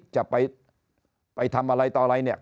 จะไปทำอะไรต่ออะไรเนี่ย